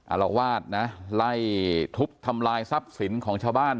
อารวาสนะไล่ทุบทำลายทรัพย์สินของชาวบ้าน